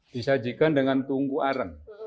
disajikan dengan tungku arang